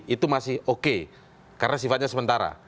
itu masih oke karena sifatnya sementara